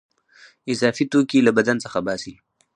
اضافي توکي له بدن څخه باسي.